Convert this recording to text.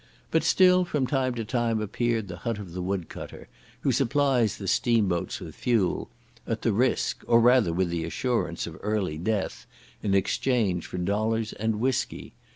But still from time to time appeared the hut of the wood cutter, who supplies the steam boats with fuel, at the risk, or rather with the assurance of early death, in exchange for dollars and whiskey.